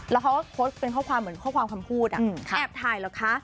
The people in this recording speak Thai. แล้วเขาก็โพสต์เป็นข้อความเหมือนข้อความคำพูดแอบถ่ายเหรอคะ